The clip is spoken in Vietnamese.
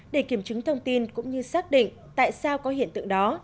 để kiểm chứng thông tin cũng như xác định tại sao có hiện tượng đó